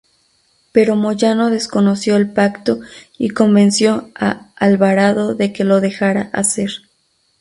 Pero Moyano desconoció el pacto y convenció a Alvarado de que lo dejara hacer.